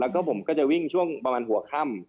แล้วก็ผมก็จะวิ่งช่วงประมาณหัวค่ำ